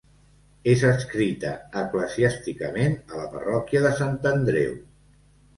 És adscrita eclesiàsticament a la parròquia de Sant Andreu.